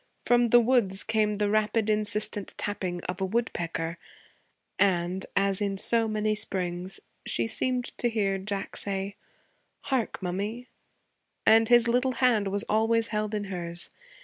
From the woods came the rapid, insistent tapping of a woodpecker; and, as in so many springs, she seemed to hear Jack say, 'Hark, mummy,' and his little hand was always held in hers.